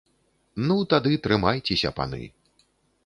Ну, тады трымайцеся, паны!